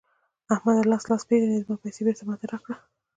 احمده؛ لاس لاس پېژني ـ زما پيسې بېرته ما ته راکړه.